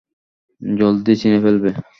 জলদিই চিনে ফেলবে।